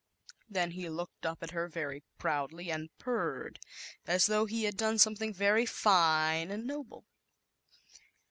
Then he looked up at her very proudly and purred, as though he had done hing very fine and noble.